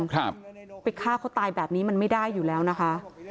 ครับไปฆ่าเขาตายแบบนี้มันไม่ได้อยู่แล้วนะคะ